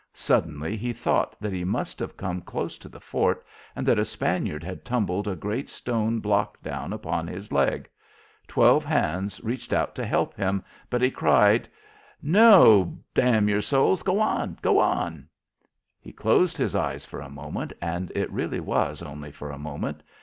Suddenly he thought that he must have come close to the fort and that a Spaniard had tumbled a great stone block down upon his leg. Twelve hands reached out to help him, but he cried: "No d your souls go on go on!" He closed his eyes for a moment, and it really was only for a moment.